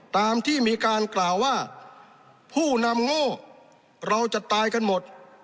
ตามที่มีการกล่าวว่าผู้นำโง่เราจะตายกันหมด